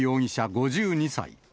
５２歳。